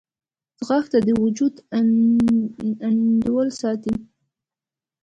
ځغاسته د وجود انډول ساتي